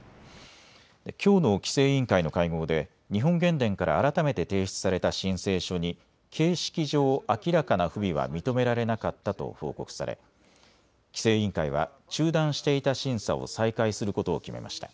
きょうの規制委員会の会合で日本原電から改めて提出された申請書に形式上、明らかな不備は認められなかったと報告され規制委員会は中断していた審査を再開することを決めました。